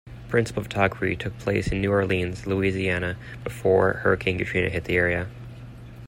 Principal photography took place in New Orleans, Louisiana before Hurricane Katrina hit the area.